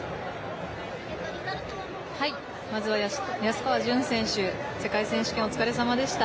まずは安川潤選手世界選手権、お疲れさまでした。